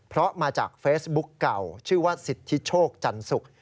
เพราะมาจากเฟซบุ๊กเก่าชื่อว่าสิทธิโชคจันสุก